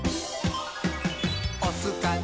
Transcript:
「おすかな？